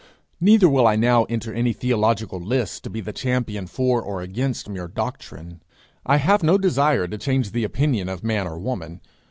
Neither will I now enter any theological lists to be the champion for or against mere doctrine. I have no desire to change the opinion of man or woman.